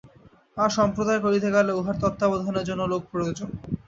আর সম্প্রদায় করিতে গেলে উহার তত্ত্বাবধানের জন্য লোক প্রয়োজন।